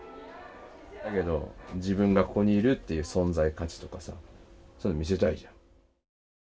だけど自分がここにいるっていう存在価値とかさそういうの見せたいじゃん。